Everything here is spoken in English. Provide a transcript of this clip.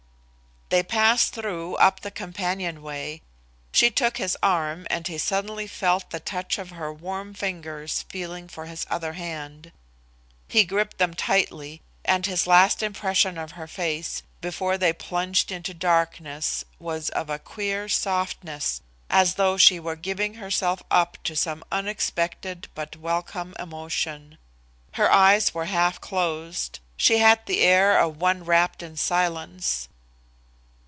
They passed through up the companionway. She took his arm and he suddenly felt the touch of her warm fingers feeling for his other hand. He gripped them tightly, and his last impression of her face, before they plunged into the darkness, was of a queer softness, as though she were giving herself up to some unexpected but welcome emotion. Her eyes were half closed. She had the air of one wrapped in silence.